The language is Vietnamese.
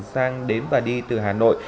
sang đến và đi từ hà nội